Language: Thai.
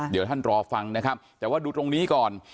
เดี๋ยวท่านรอฟังนะครับแต่ว่าดูตรงนี้ก่อน